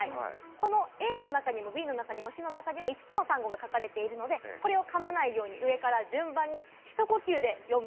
このＡの中にも、Ｂの中にもＣの中にも５つの単語が書かれているので噛まないように上から順番にひと呼吸で読む。